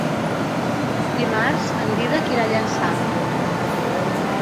Dimarts en Dídac irà a Llançà.